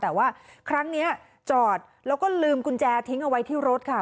แต่ว่าครั้งนี้จอดแล้วก็ลืมกุญแจทิ้งเอาไว้ที่รถค่ะ